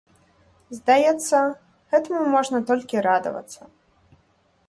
Здаецца, гэтаму можна толькі радавацца.